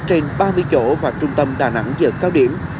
trên ba mươi chỗ và trung tâm đà nẵng giờ cao điểm